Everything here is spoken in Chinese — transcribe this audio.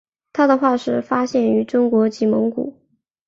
它的化石发现于中国及蒙古。